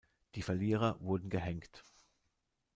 Die Verlierer wurden gehängt.